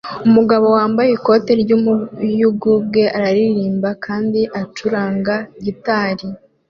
Umugabo wambaye ikoti ry'umuyugubwe araririmba kandi acuranga gitari